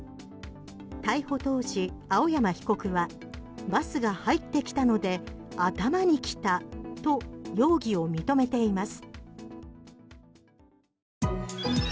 逮捕当時、青山被告はバスが入ってきたので頭にきたと容疑を認めています。